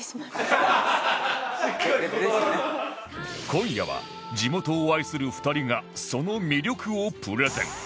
今夜は地元を愛する２人がその魅力をプレゼン